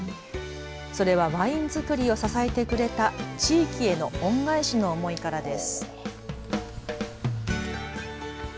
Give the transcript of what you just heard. それはワイン造りを支えてくれた地域への恩返しの思いからです。